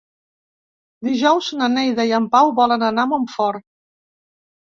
Dijous na Neida i en Pau volen anar a Montfort.